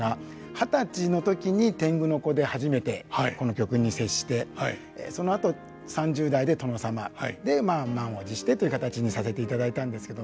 二十歳の時に天狗の子で初めてこの曲に接してそのあと３０代で殿様。で満を持してという形にさせていただいたんですけど。